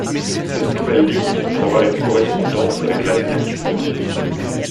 Cette nouvelle ligne aura une correspondance avec la ligne actuelle.